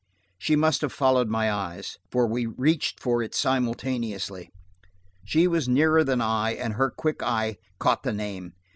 She must have followed my eyes, for we reached for it simultaneously. She was nearer than I, and her quick eye caught the name.